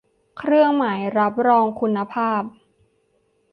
เครื่องหมายรับรองคุณภาพ